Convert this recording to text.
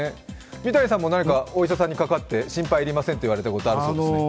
三谷さんもお医者さんにかかって、心配ありませんと言われたことがあったそうですね。